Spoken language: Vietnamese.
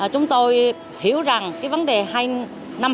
chúng tôi hiểu rằng vấn đề năm hai nghìn một mươi chín